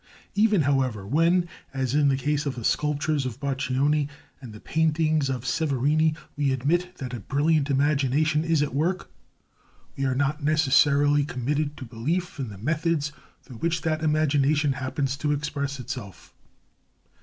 Even, however, when, as in the case of the sculptures of Boccioni and the paintings of Severini, we admit that a brilliant imagination is at work, we are not necessarily committed to belief in the methods through which that imagination happens to express itself.